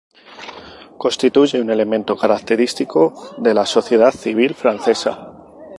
Constituye un elemento característico de la sociedad civil francesa.